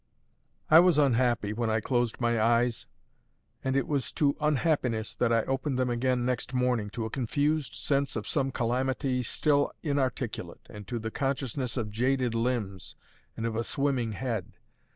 I was unhappy when I closed my eyes; and it was to unhappiness that I opened them again next morning, to a confused sense of some calamity still inarticulate, and to the consciousness of jaded limbs and of a swimming head.